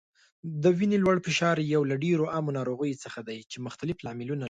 د وینې لوړ فشار یو له ډیرو عامو ناروغیو څخه دی چې مختلف لاملونه